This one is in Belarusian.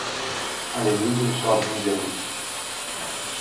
Але людзі ўсё адно едуць.